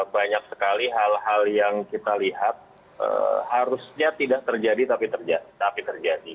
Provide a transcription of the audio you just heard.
banyak sekali hal hal yang kita lihat harusnya tidak terjadi tapi terjadi